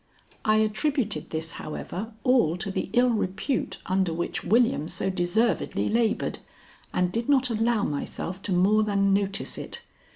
I attributed this, however, all to the ill repute under which William so deservedly labored, and did not allow myself to more than notice it.